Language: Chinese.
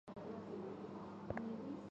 链型植物两大类。